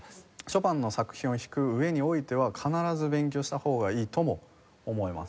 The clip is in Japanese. ショパンの作品を弾く上においては必ず勉強した方がいいとも思います。